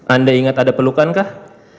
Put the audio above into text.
anda ingat ada pelukankah